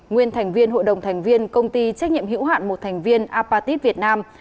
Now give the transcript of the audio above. nguyên thành viên hội đồng thành viên công ty trách nhiệm hữu hạn một thành viên apatit việt nam